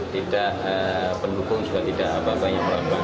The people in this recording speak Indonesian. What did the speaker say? tidak penuh kumusik tidak apa apa yang berlaku